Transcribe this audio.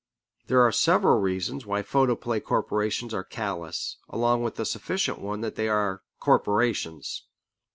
There are several reasons why photoplay corporations are callous, along with the sufficient one that they are corporations.